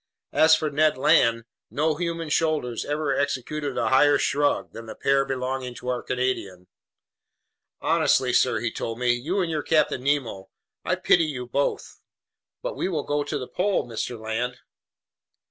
As for Ned Land, no human shoulders ever executed a higher shrug than the pair belonging to our Canadian. "Honestly, sir," he told me. "You and your Captain Nemo, I pity you both!" "But we will go to the pole, Mr. Land."